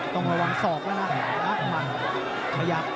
ต้องระวังสอกนะครับ